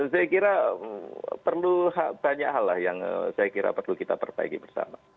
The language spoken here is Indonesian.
saya kira perlu banyak hal lah yang saya kira perlu kita perbaiki bersama